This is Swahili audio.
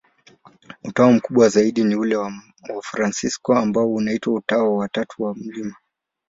Utawa mkubwa zaidi ni ule wa Wafransisko, ambao unaitwa Utawa wa Tatu wa Mt.